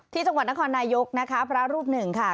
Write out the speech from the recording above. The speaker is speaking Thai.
ที่จังหวัดนครนายกนะคะพระรูปหนึ่งค่ะ